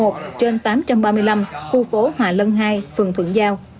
trên tám trăm ba mươi năm khu phố hòa lân hai phường thuận giao